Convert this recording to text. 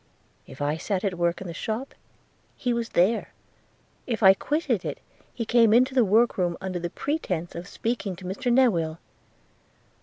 If I sat at work in the shop, he was there: – if I quitted it, he came into the work room under pretence of speaking to Mr Newill.